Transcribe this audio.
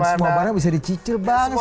dan semua barang bisa dicicil banget sekarang ya